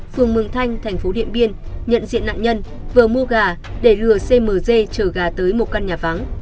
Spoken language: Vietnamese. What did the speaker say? phường mường thanh thành phố điện biên nhận diện nạn nhân vừa mua gà để lừa cm chở gà tới một căn nhà vắng